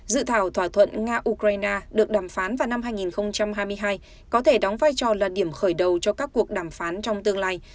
dự thảo thỏa thuận nga ukraine được đàm phán vào năm hai nghìn hai mươi hai có thể đóng vai trò là điểm khởi đầu cho các cuộc đàm phán trong tương lai